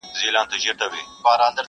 o څه ژرنده پڅه، څه غنم لانده٫